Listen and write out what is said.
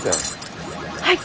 はい。